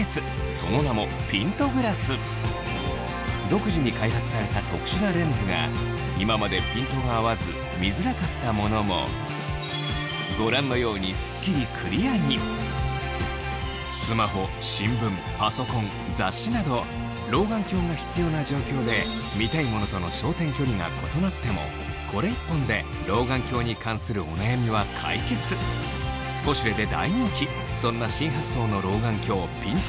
その名も独自に開発された特殊なレンズが今までピントが合わず見づらかったものもご覧のようにすっきりクリアに雑誌など老眼鏡が必要な状況で見たいものとの焦点距離が異なってもこれ１本で老眼鏡に関するお悩みは解決『ポシュレ』で大人気そんな新発想の老眼鏡ピント